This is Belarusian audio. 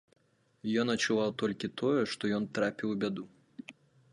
Ён адчуваў толькі тое, што ён трапіў у бяду.